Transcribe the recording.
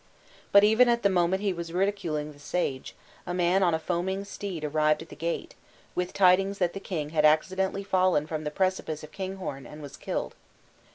But even at the moment he was ridiculing the sage, a man on a foaming steed arrived at the gate, with tidings that the king had accidentally fallen from the precipice of Kinghorn, and was killed.